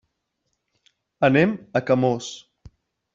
Anem a Camós.